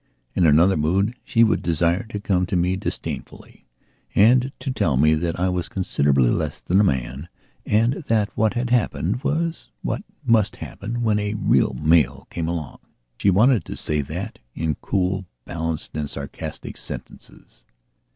In another mood she would desire to come to me disdainfully and to tell me that I was considerably less than a man and that what had happened was what must happen when a real male came along. She wanted to say that in cool, balanced and sarcastic sentences.